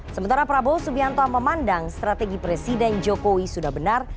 sementara prabowo subianto memandang strategi presiden jokowi sudah benar